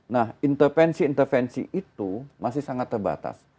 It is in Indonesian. nah intervensi intervensi itu masih sangat terbatas